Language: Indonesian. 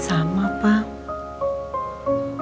ada apa yang aku lakuin